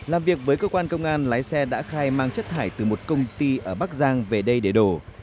làm việc với cơ quan công an lái xe đã khai mang chất thải từ một công ty ở bắc giang về đây để đổ